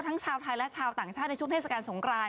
ชาวไทยและชาวต่างชาติในช่วงเทศกาลสงคราน